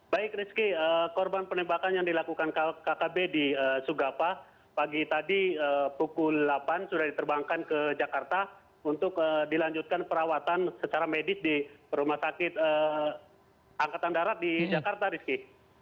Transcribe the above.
baik rizky korban penembakan yang dilakukan kkb di sugapa pagi tadi pukul delapan sudah diterbangkan ke jakarta untuk dilanjutkan perawatan secara medis di rumah sakit angkatan darat di jakarta rizky